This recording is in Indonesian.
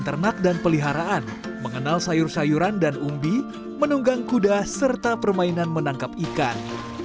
ternak dan peliharaan mengenal sayur sayuran dan umbi menunggang kuda serta permainan menangkap ikan